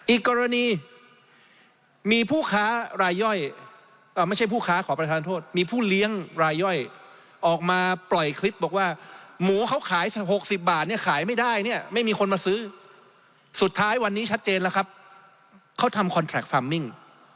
อีกกรณีมีผู้ค้ารายย่อยไม่ใช่ผู้ค้าขอประทานโทษมีผู้เลี้ยงรายย่อยออกมาปล่อยคลิปบอกว่าหมูเขาขายสัก๖๐บาทเนี่ยขายไม่ได้เนี่ยไม่มีคนมาซื้อสุดท้ายวันนี้ชัดเจนแล้วครับเขาทำคอนแทรคฟาร์มมิ่ง